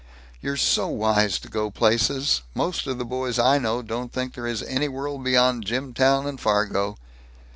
"You're so wise to go places. Most of the boys I know don't think there is any world beyond Jimtown and Fargo."